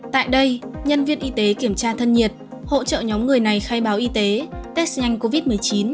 tại đây nhân viên y tế kiểm tra thân nhiệt hỗ trợ nhóm người này khai báo y tế test nhanh covid một mươi chín